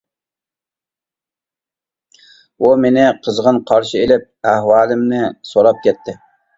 ئۇ مېنى قىزغىن قارشى ئېلىپ ئەھۋالىمنى سوراپ كەتتى.